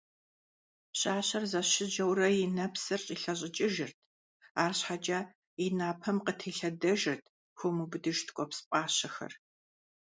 Пщащэр зэщыджэурэ и нэпсыр щӀилъэщӀыкӀыжырт, арщхьэкӀэ, и напэм къытелъэдэжырт хуэмыубыдыж ткӀуэпс пӀащэхэр.